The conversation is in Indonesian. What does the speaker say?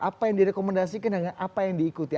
apa yang direkomendasikan dengan apa yang diikuti